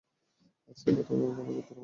আজকের প্রথম রাউন্ডঃ আনুগত্য রাউন্ড।